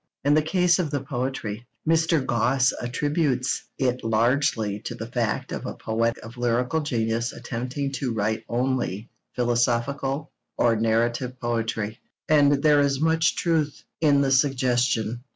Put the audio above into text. In the case of the poetry, Mr. Gosse attributes it largely to the fact of a poet of lyrical genius attempting to write only philosophical or narrative poetry; and there is much truth in the suggestion.